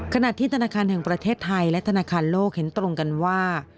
ขณะที่ธนาคารแห่งประเทศไทยและธนาคารโลกเห็นตรงกันว่า